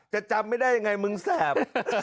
จำไม่ได้ยังไงมึงแสบ